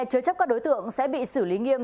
chứa chấp các đối tượng sẽ bị xử lý nghiêm